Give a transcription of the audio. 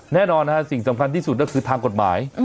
แน่นอนสิ่งสำคัญที่สุดก็คือทางกฎหมาย